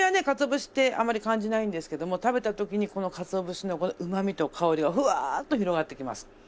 かつお節ってあまり感じないんですけども食べた時にこのかつお節のこのうまみと香りがふわっと広がってきます。